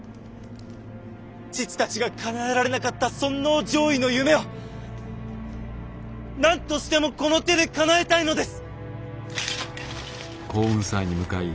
父たちがかなえられなかった尊王攘夷の夢を何としてもこの手でかなえたいのです！